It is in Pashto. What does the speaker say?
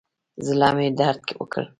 زړه مې درد وکړ.